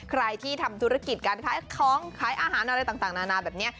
ใครที่ทำธุรกิจการขายของขายอาหารอะไรต่างนานาแบบนี้